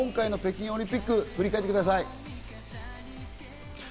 北京オリンピックを振り返ってください。